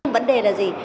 vấn đề là gì